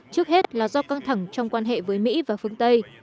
trước hết là do căng thẳng trong quan hệ với mỹ và phương tây